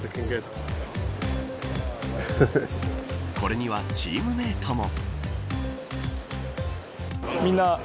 これにはチームメートも。